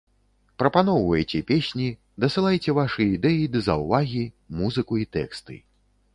Прапаноўвайце песні, дасылайце вашы ідэі ды заўвагі, музыку і тэксты.